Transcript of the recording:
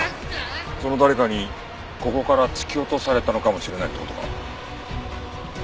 その誰かにここから突き落とされたのかもしれないって事か？